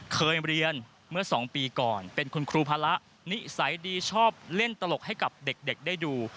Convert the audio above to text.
เคยเรียนเมื่อ๒ปีก่อนเป็นคุณครูภาระนิสัยดีชอบเล่นตลกให้กับเด็กได้ดู